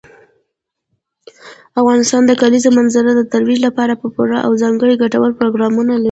افغانستان د کلیزو منظره د ترویج لپاره پوره او ځانګړي ګټور پروګرامونه لري.